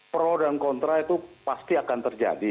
pro dan kontra itu pasti akan terjadi